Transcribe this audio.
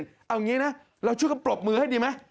เอาอย่างนี้นะเราช่วยกันปรบมือให้ดีไหม